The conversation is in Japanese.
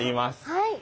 はい。